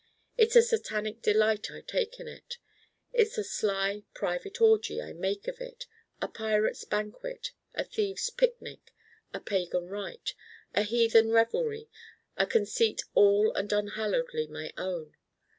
It's a satanic delight I take in it. It's a sly private orgie I make of it: a pirate's banquet, a thieves' picnic, a pagan rite, a heathen revelry, a conceit all and unhallowedly my own.